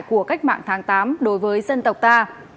của cách mạng tháng tám đối với dân tộc ta